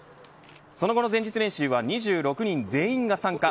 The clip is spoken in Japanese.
その後の前日練習は２６人全員が参加。